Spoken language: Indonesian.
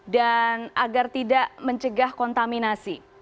dan agar tidak mencegah kontaminasi